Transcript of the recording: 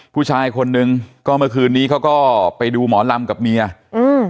ผู้ชายคนนึงก็เมื่อคืนนี้เขาก็ไปดูหมอลำกับเมียอืม